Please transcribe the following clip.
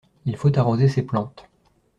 Il faut arroser ces plantes.